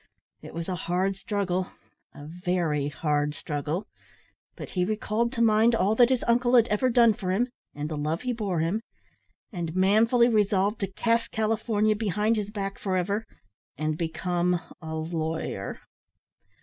It was a hard struggle, a very hard struggle, but he recalled to mind all that his uncle had ever done for him, and the love he bore him, and manfully resolved to cast California behind his back for ever, and become a lawyer.